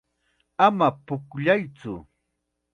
Ama pukllaytsu.